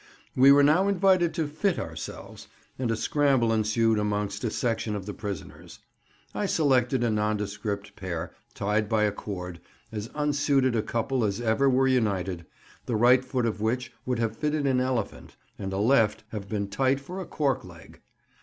We were now invited to "fit" ourselves, and a scramble ensued amongst a section of the prisoners. I selected a nondescript pair, tied by a cord, as unsuited a couple as ever were united, the right foot of which would have fitted an elephant, and the left have been tight for a cork leg.